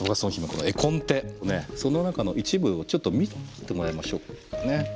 その中の一部をちょっと見てもらいましょうかね。